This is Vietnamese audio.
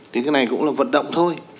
thì cái này cũng là vận động thôi